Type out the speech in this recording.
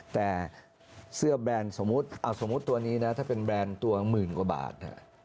แต่เสื้อแบรนด์สมมุติเอาสมมุติตัวนี้นะถ้าเป็นแรนด์ตัวหมื่นกว่าบาท